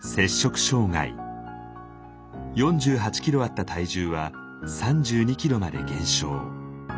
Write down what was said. ４８ｋｇあった体重は３２ｋｇまで減少。